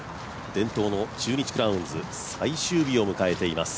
伝統の中日クラウンズ最終日を迎えています。